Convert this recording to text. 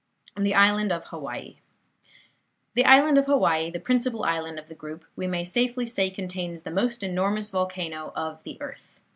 THE ISLAND OF HAWAII The Island of Hawaii, the principal island of the group, we may safely say contains the most enormous volcano of the earth.